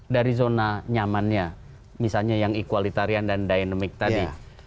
dari zona nyamannya misalnya yang equalitarian dan dynamic tadi